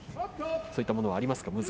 そういったものはありますか？